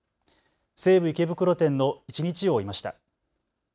西武池袋店の一日を追いました。